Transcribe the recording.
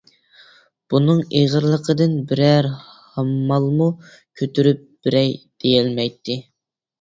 بۇنىڭ ئېغىرلىقىدىن بىرەر ھاممالمۇ كۆتۈرۈپ بېرەي دېيەلمەيتتى.